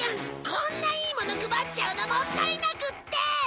こんないいもの配っちゃうのもったいなくって！